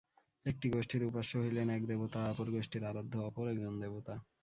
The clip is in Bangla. একটি গোষ্ঠীর উপাস্য হইলেন এক দেবতা, অপর গোষ্ঠীর আরাধ্য অপর একজন দেবতা।